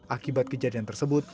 akibat kejadian tersebut